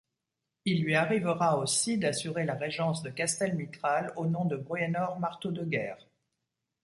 Il lui arrivera aussi d'assurer la régence de Castelmithral au nom de Bruenor Marteaudeguerre.